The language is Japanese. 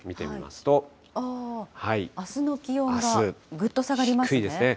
あすの気温が、ぐっと下がり低いですね。